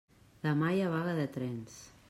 Demà hi ha vaga de trens.